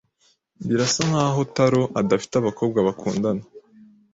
Birasa nkaho Taro adafite abakobwa bakundana.